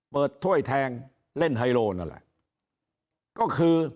เปิดถ้วยแทงเล่นไฮลโรนั่นละก็คือ